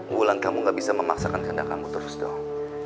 wulang kamu gak bisa memaksakan kendang kamu terus dong